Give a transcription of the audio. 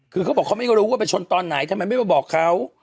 คือเขาบอกเขาไม่รู้ว่าไปชนตอนไหนทำไมไม่มาบอกเขา